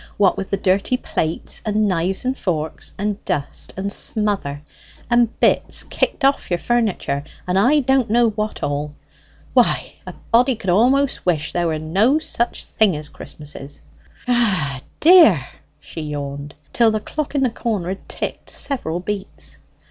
What with the dirty plates, and knives and forks, and dust and smother, and bits kicked off your furniture, and I don't know what all, why a body could a'most wish there were no such things as Christmases ... Ah h dear!" she yawned, till the clock in the corner had ticked several beats.